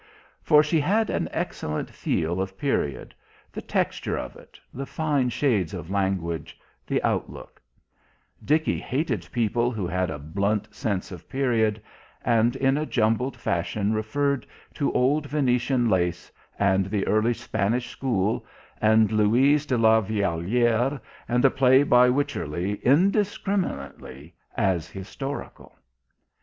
For she had an excellent feel of period the texture of it, the fine shades of language, the outlook; Dickie hated people who had a blunt sense of period and in a jumbled fashion referred to old Venetian lace, and the Early Spanish School, and Louise de la Vallière, and a play by Wycherley indiscriminately as "historical."